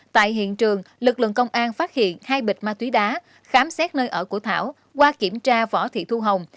tại hiện trường lực lượng công an phát hiện hai bịch ma túy đá khám xét nơi ở của thảo qua kiểm tra võ thị thu hồng